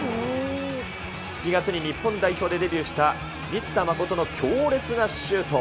７月に日本代表でデビューした満田誠の強烈なシュート。